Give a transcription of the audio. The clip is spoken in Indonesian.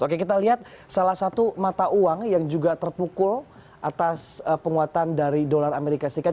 oke kita lihat salah satu mata uang yang juga terpukul atas penguatan dari dolar amerika serikat